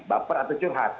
baper atau curhat